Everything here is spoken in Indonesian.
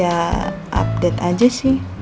ya update aja sih